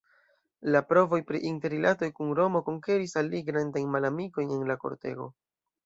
La provoj pri interrilatoj kun Romo konkeris al li grandajn malamikojn en la kortego.